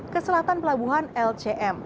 ke selatan pelabuhan lcm